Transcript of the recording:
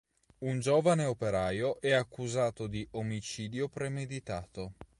Un giovane operaio è accusato di omicidio premeditato.